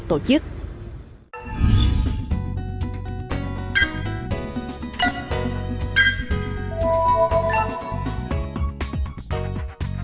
cơ quan tổ chức